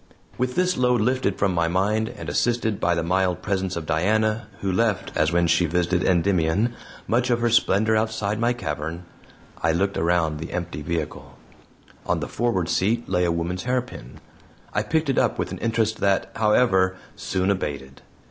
With this load lifted from my mind, and assisted by the mild presence of Diana, who left, as when she visited Endymion, much of her splendor outside my cavern I looked around the empty vehicle. On the forward seat lay a woman's hairpin. I picked it up with an interest that, however, soon abated.